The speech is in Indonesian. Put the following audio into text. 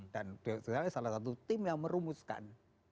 dan gusole salah satu tim yang merumuskan